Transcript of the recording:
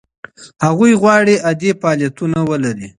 هغوی غواړي عادي فعالیتونه ولري.